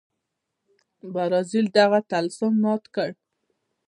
برازیل دغه طلسم مات کړ.